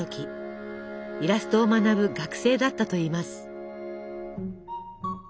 イラストを学ぶ学生だったといいます。